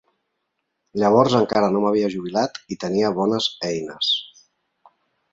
Llavors encara no m'havia jubilat i tenia bones eines.